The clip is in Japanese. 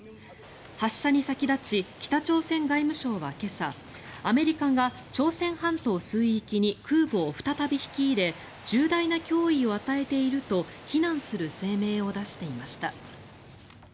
発射に先立ち、北朝鮮外務省は今朝アメリカが朝鮮半島水域に空母を再び引き入れ重大な脅威を与えていると非難する声明を出していました。